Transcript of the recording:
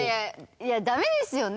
いやダメですよね？